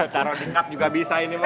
taro di kap juga bisa ini mah